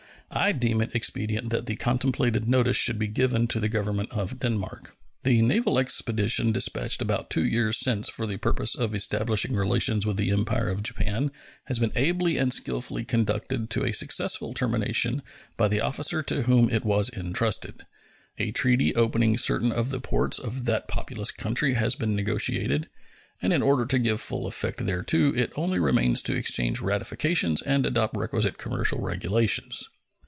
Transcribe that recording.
I deem it expedient that the contemplated notice should be given to the Government of Denmark. The naval expedition dispatched about two years since for the purpose of establishing relations with the Empire of Japan has been ably and skillfully conducted to a successful termination by the officer to whom it was intrusted. A treaty opening certain of the ports of that populous country has been negotiated, and in order to give full effect thereto it only remains to exchange ratifications and adopt requisite commercial regulations.